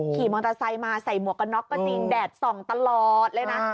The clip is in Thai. ขี่มอเตอร์ไซค์มาใส่หมวกกันน็อกก็จริงแดดส่องตลอดเลยนะ